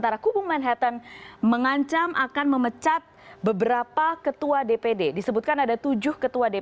bahkan katanya munaslup akan dihubungi dengan kekuatan